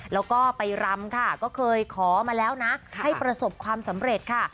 แล้วก็ไปรำค่ะก็เคยขอมาแล้วนะให้ประสบความสำเร็จค่ะ